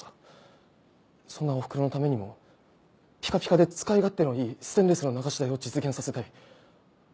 そんなおふくろのためにもピカピカで使い勝手のいいステンレスの流し台を実現させたい。